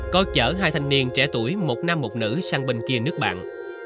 có chở hai thanh niên trẻ tuổi một nam một nữ sang bên kia nước bạn